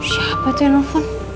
siapa itu yang nelfon